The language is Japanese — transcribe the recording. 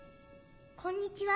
こんにちは。